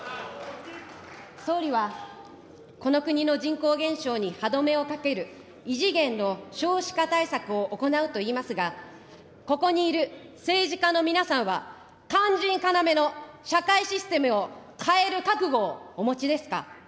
総理はこの国の人口減少に歯止めをかける、異次元の少子化対策を行うと言いますが、ここにいる政治家の皆さんは、肝心要の社会システムを変える覚悟をお持ちですか。